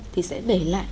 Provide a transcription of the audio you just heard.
thì sẽ bể lại